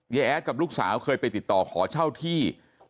แอดกับลูกสาวเคยไปติดต่อขอเช่าที่